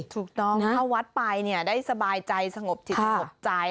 ถูกต้องเข้าวัดไปเนี่ยได้สบายใจสงบจิตสงบใจ